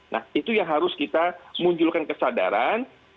nah itu yang harus kita munculkan kesadaran